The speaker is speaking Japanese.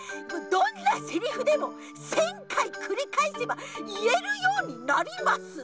どんなセリフでも１，０００かいくりかえせばいえるようになります！